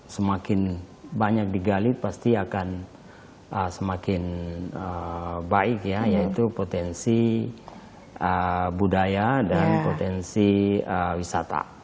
semakin banyak digali pasti akan semakin baik ya yaitu potensi budaya dan potensi wisata